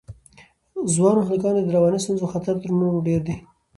ځوانو هلکانو ته د رواني ستونزو خطر تر نورو ډېر دی.